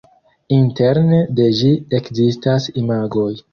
Interne de ĝi ekzistas imagoj.